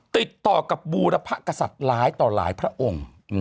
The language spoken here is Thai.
ติดต่อกับบูรพกษัตริย์ร้ายต่อหลายพระองค์